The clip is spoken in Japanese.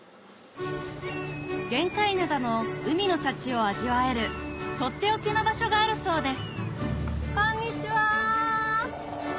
玄界灘の海の幸を味わえるとっておきの場所があるそうですこんにちは！